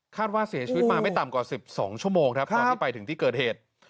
ว่าเสียชีวิตมาไม่ต่ำกว่า๑๒ชั่วโมงครับตอนที่ไปถึงที่เกิดเหตุ